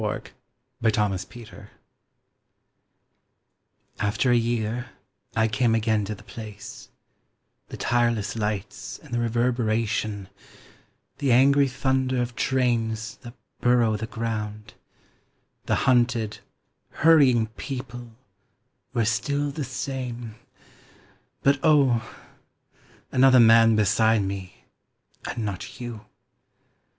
IN A SUBWAY STATION AFTER a year I came again to the place; The tireless lights and the reverberation, The angry thunder of trains that burrow the ground, The hunted, hurrying people were still the same But oh, another man beside me and not you!